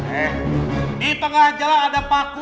eh di tengah jalan ada paku